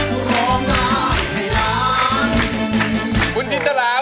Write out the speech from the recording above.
คุณศิษย์แจลาว่าไงเผอเดินข้ามรางเอง